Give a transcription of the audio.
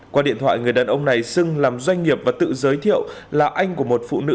qua điện thoại người đàn ông này xưng làm doanh nghiệp và tự giới thiệu là anh của một phụ nữ